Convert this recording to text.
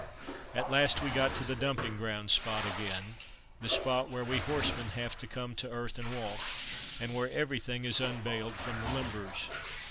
At last we got to the dumping ground spot again the spot where we horsemen have to come to earth and walk, and where everything is unbaled from the limbers.